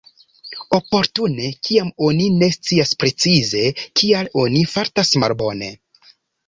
Oportune kiam oni ne scias precize kial oni fartas malbone.